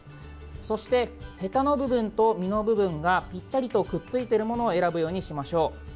そしてへたの部分と実の部分がぴったりとくっついているものを選ぶようにしましょう。